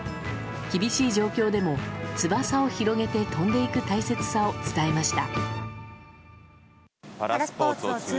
厳しい状況でも翼を広げて飛んでいく大切さを伝えました。